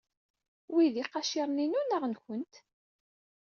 Wi d iqaciren-inu neɣ nwent?